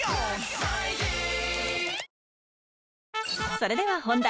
それでは本題！